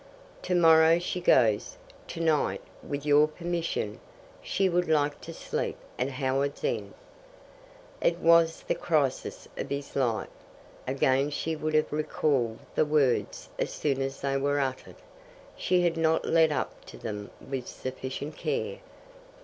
Tomorrow she goes; tonight, with your permission, she would like to sleep at Howards End." It was the crisis of his life. Again she would have recalled the words as soon as they were uttered. She had not led up to them with sufficient care.